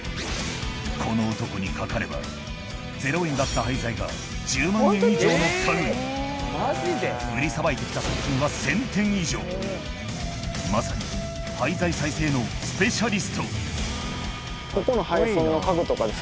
この男にかかればゼロ円だった廃材が１０万円以上の家具に売りさばいて来た作品はまさに廃材再生のスペシャリストはい